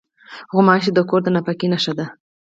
غوماشې د کور د ناپاکۍ نښه دي.